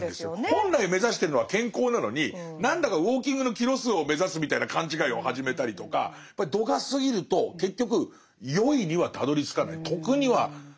本来目指してるのは健康なのに何だかウォーキングのキロ数を目指すみたいな勘違いを始めたりとか。ということはもうおっしゃってたんですね。